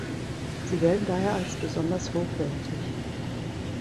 Sie gelten daher als besonders hochwertig.